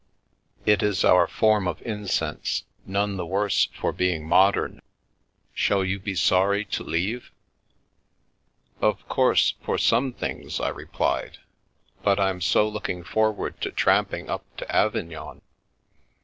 " It is our form of incense, none the worse for being modern. Shall you be sorry to leave?" 268 I Begin to Understand " Of course, for some things," I replied, " but Fm so looking forward to tramping up to Avignon.